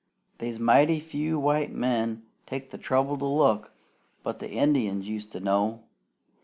"They's mighty few white men takes the trouble to look, but the Indians used to know.